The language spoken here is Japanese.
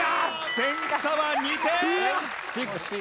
点差は２点！